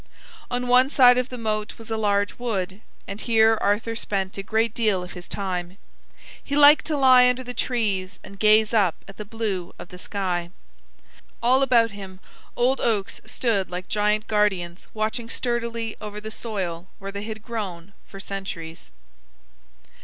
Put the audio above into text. On one side of the moat was a large wood, and here Arthur spent a great deal of his time. He liked to lie under the trees and gaze up at the blue of the sky. All about him old oaks stood like giant guardians watching sturdily over the soil where they had grown for centuries.